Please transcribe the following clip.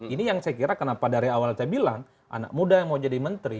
ini yang saya kira kenapa dari awal saya bilang anak muda yang mau jadi menteri